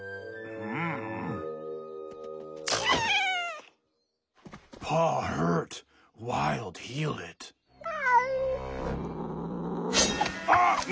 うう。あっ！